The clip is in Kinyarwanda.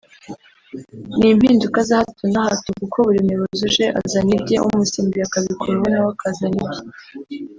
n’impinduka za hato na hato kuko buri muyobozi uje azana ibye umusimbuye akabikuraho nawe akazana ibye